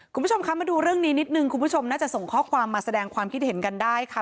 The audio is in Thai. คุณผู้ชมคะมาดูเรื่องนี้นิดนึงคุณผู้ชมน่าจะส่งข้อความมาแสดงความคิดเห็นกันได้ค่ะ